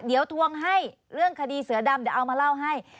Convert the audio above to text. เดี๋ยวทวงให้เรื่องคดีเสือดำเดี๋ยวเอามาเล่าให้